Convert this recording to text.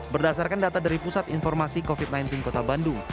berdasarkan data dari pusat informasi covid sembilan belas kota bandung